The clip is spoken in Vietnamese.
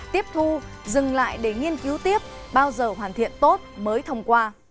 tiếp thu dừng lại để nghiên cứu tiếp bao giờ hoàn thiện tốt mới thông qua